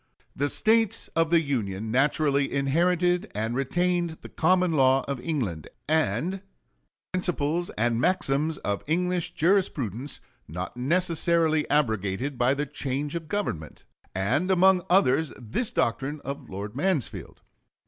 The States of the Union naturally inherited and retained the common law of England, and the principles and maxims of English jurisprudence not necessarily abrogated by the change of government, and among others this doctrine of Lord Mansfield.